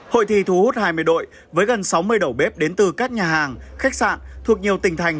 hội thi thu hút hai mươi đội với gần sáu mươi đầu bếp đến từ các nhà hàng khách sạn thuộc nhiều tỉnh thành